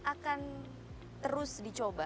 akan terus dicoba